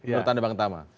menurut anda bang tamah